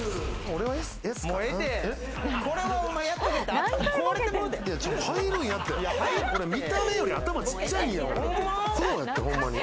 俺見た目より頭ちっちゃいんや。